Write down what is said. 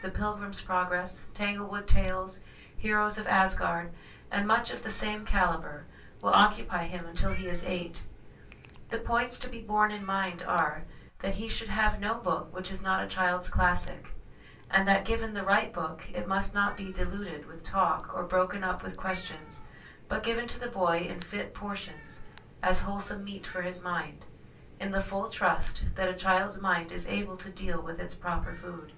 The Pilgrims Progress? Tanglewood Tales? Heroes of Asgard? and much of the same calibre, will occupy him until he is eight. The points to be borne in mind are, that he should have no book which is not a child's classic ; and that, given the right book, it must not be diluted with talk or broken up with questions, but given to the boy in fit portions as wholesome meat for his mind, in the full trust that a child's mind is able to deal with its proper food.